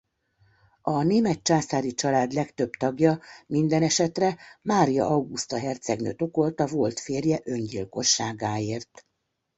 A német császári család legtöbb tagja mindenesetre Mária Auguszta hercegnőt okolta volt férje öngyilkosságáért.